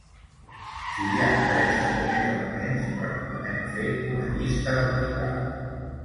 Si hi ha tres o més elements, recomanem fer una llista vertical.